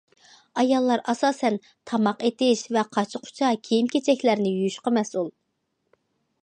ئاياللار ئاساسەن تاماق ئېتىش ۋە قاچا- قۇچا، كىيىم- كېچەكلەرنى يۇيۇشقا مەسئۇل.